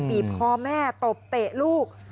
บีบคอแม่ตบเตะลูก